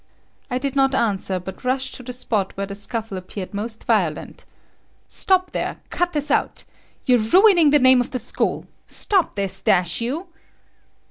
I did not answer, but rushed to the spot where the scuffle appeared most violent. "Stop there! Cut this out! You're ruining the name of the school! Stop this, dash you!"